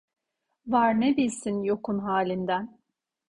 Var ne bilsin yokun halinden.